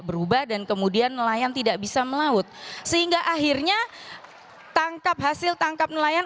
berubah dan kemudian nelayan tidak bisa melaut sehingga akhirnya tangkap hasil tangkap nelayan